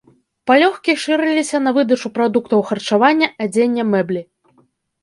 Палёгкі шырыліся на выдачу прадуктаў харчавання, адзення, мэблі.